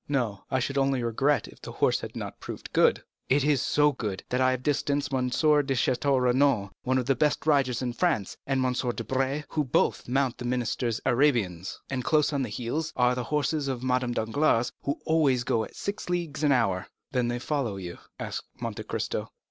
"No; I should only regret if the horse had not proved good." "It is so good, that I have distanced M. de Château Renaud, one of the best riders in France, and M. Debray, who both mount the minister's Arabians; and close on their heels are the horses of Madame Danglars, who always go at six leagues an hour." "Then they follow you?" asked Monte Cristo.